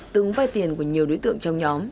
từng vai tiền của nhiều đối tượng trong nhóm